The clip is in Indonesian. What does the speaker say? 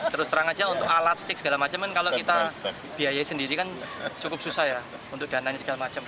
terus terang aja untuk alat stik segala macam kan kalau kita biayai sendiri kan cukup susah ya untuk dananya segala macam